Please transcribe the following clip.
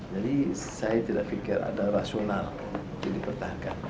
jadi saya tidak pikir ada rasional yang dipertahankan